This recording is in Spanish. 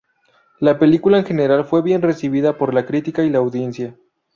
La película en general fue bien recibida por la crítica y la audiencia.